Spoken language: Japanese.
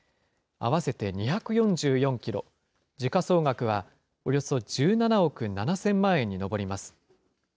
合わせて２４４キロ、時価総額はおよそ１７億７０００万円に上ります。